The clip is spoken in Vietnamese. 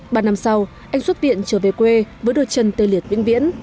ba năm sau anh xuất viện trở về quê với đôi chân tê liệt vĩnh viễn